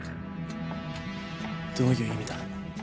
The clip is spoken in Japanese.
どういう意味だ？